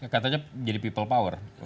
katanya jadi people power